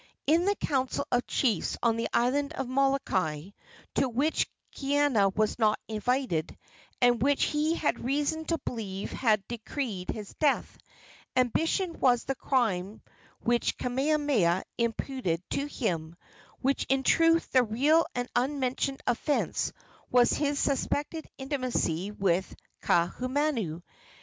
In the council of chiefs on the island of Molokai, to which Kaiana was not invited, and which he had reason to believe had decreed his death, ambition was the crime which Kamehameha imputed to him, when in truth the real and unmentioned offence was his suspected intimacy with Kaahumanu.